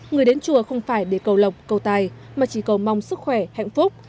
người đến chùa không phải để cầu lọc cầu tài mà chỉ cầu mong sức khỏe hạnh phúc